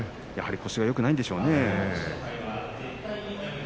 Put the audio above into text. やはり腰がよくないんでしょうね。